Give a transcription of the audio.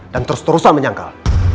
dan terus terusan menyangkal